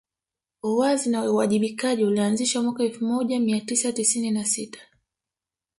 Uwazi na uwajibikaji ulianzishwa mwaka elfu moja Mia tisa tisini na sita